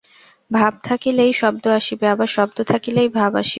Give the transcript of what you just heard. ভাব থাকিলেই শব্দ আসিবে, আবার শব্দ থাকিলেই ভাব আসিবে।